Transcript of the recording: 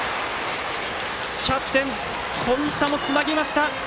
キャプテン、今田もつなぎました。